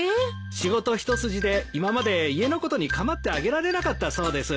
仕事一筋で今まで家のことに構ってあげられなかったそうです。